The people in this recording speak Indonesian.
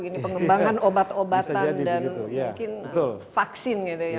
ini pengembangan obat obatan dan mungkin vaksin gitu ya